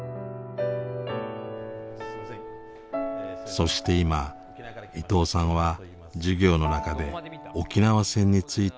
そして今伊藤さんは授業の中で沖縄戦について教えています。